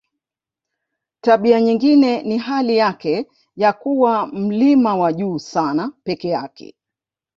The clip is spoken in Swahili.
Tabia nyingine ni hali yake ya kuwa mlima wa juu sana peke yake